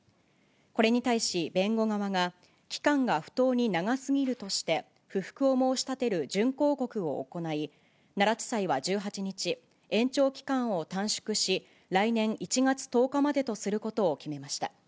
これに対し弁護側が、期間が不当に長すぎるとして不服を申し立てる準抗告を行い、奈良地裁は１８日、延長期間を短縮し、来年１月１０日までとすることを決めました。